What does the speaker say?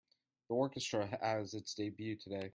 The orchestra has its debut today.